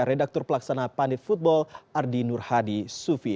redaktur pelaksana pandit football ardi nurhadi sufi